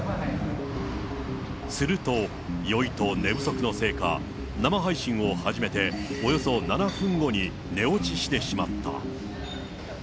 すると、酔いと寝不足のせいか、生配信を始めておよそ７分後に寝落ちしてしまった。